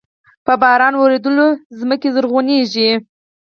په باران ورېدلو زمکې زرغوني شي۔